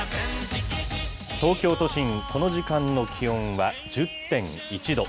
東京都心、この時間の気温は１０．１度。